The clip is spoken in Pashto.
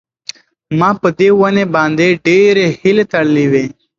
ما په دې ونې باندې ډېرې هیلې تړلې وې.